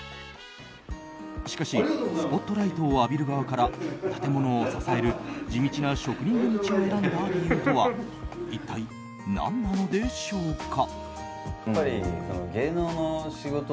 しかし、スポットライトを浴びる側から建物を支える地道な職人の道を選んだ理由とは一体何なのでしょうか？